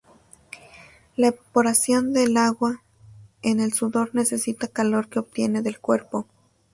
La evaporación del agua en el sudor necesita calor que obtiene del cuerpo.